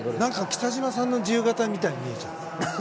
北島さんの自由形みたいに見えちゃう。